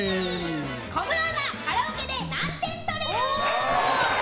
小室アナカラオケで何点取れる？